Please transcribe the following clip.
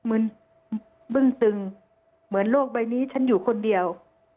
เหมือนโรคใบนี้ฉันอยู่คนเดียว